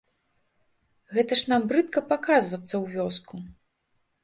Гэта ж нам брыдка паказвацца ў вёску.